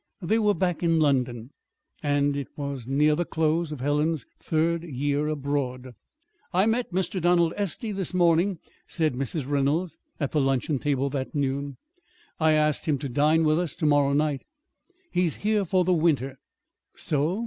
They were back in London, and it was near the close of Helen's third year abroad. "I met Mr. Donald Estey this morning," said Mrs. Reynolds at the luncheon table that noon. "I asked him to dine with us to morrow night. He is here for the winter." "So?